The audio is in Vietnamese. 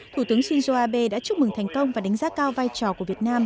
thủ tướng shinzo abe đã chúc mừng thành công và đánh giá cao vai trò của việt nam